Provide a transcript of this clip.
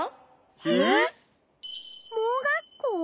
えっ？盲学校？